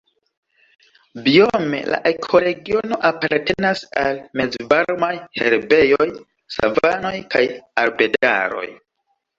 Biome la ekoregiono apartenas al mezvarmaj herbejoj, savanoj kaj arbedaroj.